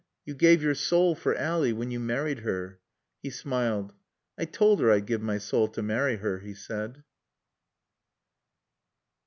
"You gave your soul for Ally when you married her." He smiled. "I toald 'er I'd give my sawl t' marry 'er," he said.